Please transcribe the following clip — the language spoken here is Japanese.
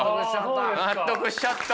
納得しちゃった？